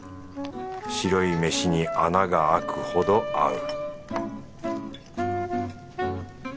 白いめしに穴があくほど合う